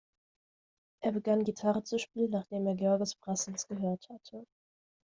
Er begann Gitarre zu spielen, nachdem er Georges Brassens gehört hatte.